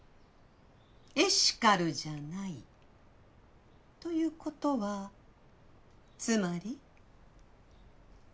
エシカルじゃないということはつまり？